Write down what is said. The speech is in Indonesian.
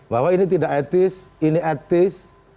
bahwa ini tidak etis ini etis